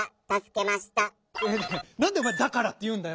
なんでおまえ「だから」っていうんだよ。